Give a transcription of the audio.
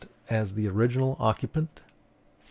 As the original occupant; 2d.